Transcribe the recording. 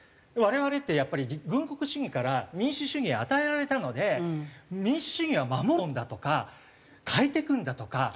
我々ってやっぱり軍国主義から民主主義を与えられたので民主主義は守るものだとか変えていくんだとか。